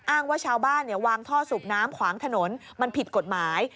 ว่าชาวบ้านวางท่อสูบน้ำขวางถนนมันผิดกฎหมาย